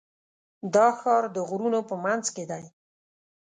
دا ښار د غرونو په منځ کې دی.